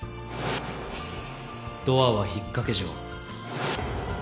ドアは引っ掛け錠